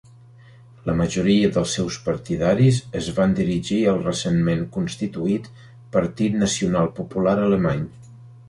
La majoria dels seus partidaris es van dirigir al recentment constituït Partit Nacional Popular Alemany.